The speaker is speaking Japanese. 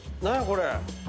これ。